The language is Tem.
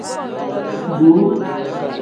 Duuu.